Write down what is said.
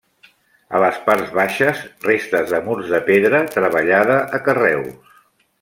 A les parts baixes, restes de murs de pedra treballada a carreus.